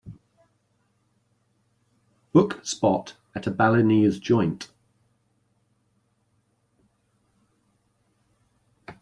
book spot at a balinese joint